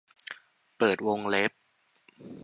เปิดวงเล็บ